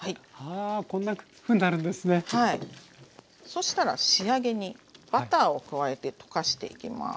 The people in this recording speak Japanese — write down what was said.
そしたら仕上げにバターを加えて溶かしていきます。